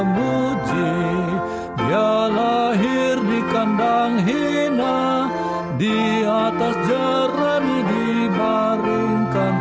mari kita sembah dia